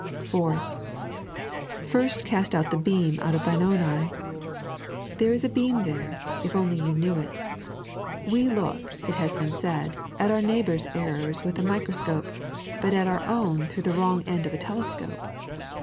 (4) Firtt eaat out the beam out 0/ thine oten eye. There is a beam there, if you only knew it. We look, it has been said, at our neighbour's errors with a microscope, but at our own through the wrong end of a telescope.